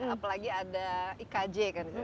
apalagi ada ikj kan